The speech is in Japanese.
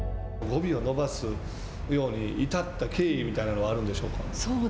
語尾を伸ばすように至った経緯みたいなのはあるんでしょうか。